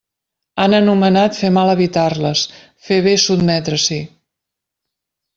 Han anomenat fer mal evitar-les, fer bé sotmetre-s'hi.